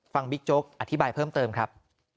บิ๊กโจ๊กอธิบายเพิ่มเติมครับ